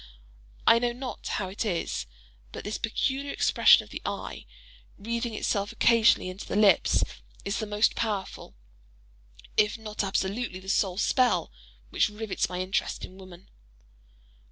I know not how it is, but this peculiar expression of the eye, wreathing itself occasionally into the lips, is the most powerful, if not absolutely the sole spell, which rivets my interest in woman.